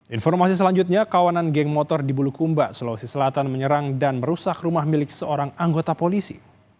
informasi selanjutnya kawanan geng motor di bulukumba sulawesi selatan menyerang dan merusak rumah milik seorang anggota polisi